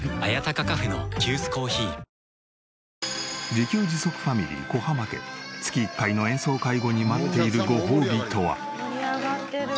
自給自足ファミリー小濱家月１回の演奏会後に待っているごほうびとは？